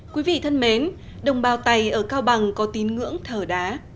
quý vị thân mến đồng bào tài ở cao bằng có tín ngưỡng thở đá